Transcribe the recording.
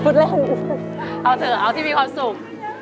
เอาเถอะเอาที่มีความสุข